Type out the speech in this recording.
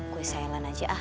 gue sayang aja ah